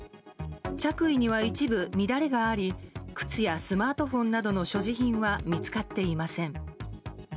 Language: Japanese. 着衣には一部乱れがあり靴やスマートフォンなどの所持品は見つかっていません。